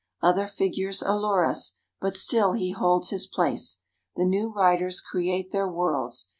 Other figures allure us, but still he holds his place. The new writers create their worlds.